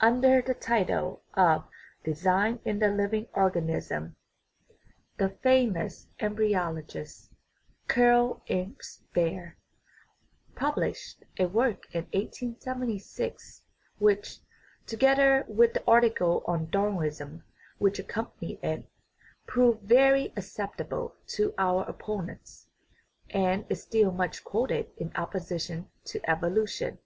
Under the title of Design in the Living Organism, 266 THE UNITY OF NATURE the famous embryologist, Karl Ernst Baer, published a work in 1876 which, together with the article on Dar winism which accompanied it, proved very acceptable to our opponents, and is still much quoted in opposition to evolution.